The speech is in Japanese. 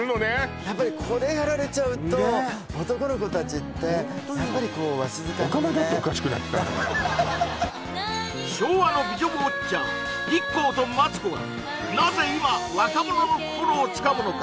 やっぱりこれやられちゃうと男の子達ってやっぱりこうわしづかみにオカマだっておかしくなってたんだから昭和の美女ウォッチャーＩＫＫＯとマツコがなぜ今若者の心をつかむのか？